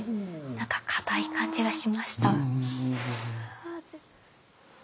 何か固い感じがしました。